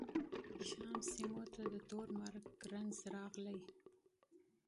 شام سیمو ته تور مرګ مرض راغلی.